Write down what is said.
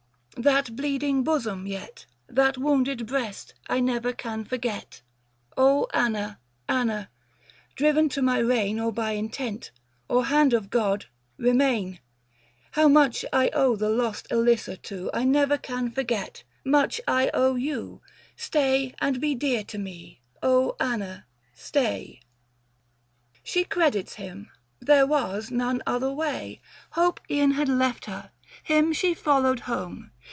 That bleeding bosom, yet — That wounded breast I never can forget. Anna, Anna, driven to my reign Or by intent, or hand of God, remain. How much I owe the lost Elissa to, 670 1 never can forget; much owe I you ; Stay and be dear to me, O Anna stay." She credits him ; there was none other way ; Hope e'en had left her, him she followed home.